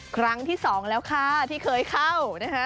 ครั้งที่๒แล้วค่ะที่เคยเข้า